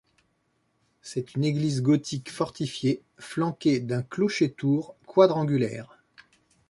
C'est une église gothique fortifiée, flanquée d'un clocher-tour quadrangulaire.